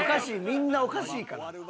みんなおかしいから」